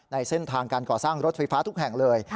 ในเส้นทางการก่อสร้างรถไฟฟ้าทุกแห่งเลย